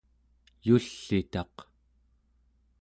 yull'itaq